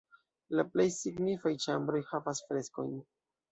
La plej signifaj ĉambroj havas freskojn.